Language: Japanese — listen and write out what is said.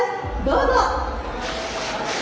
どうぞ。